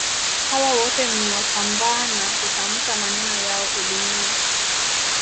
Hawa wote ni Wasambaa na hutamka maneno yao ulimini